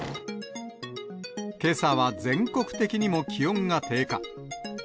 けさは全国的にも気温が低下。